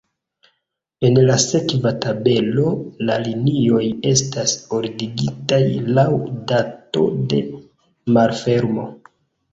En la sekva tabelo la linioj estas ordigitaj laŭ dato de malfermo.